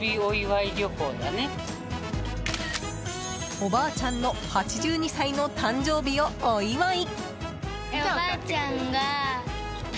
おばあちゃんの８２歳の誕生日をお祝い。